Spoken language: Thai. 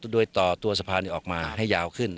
โดยต่อตัวสะพานออกมาให้ยาวขึ้น